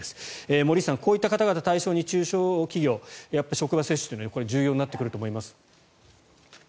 森内さん、こういった方々を対象に中小企業やっぱり職場接種が重要になってくると思います。